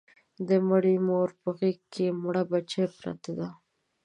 د مړې مور په غېږ کې مړه بچي پراته دي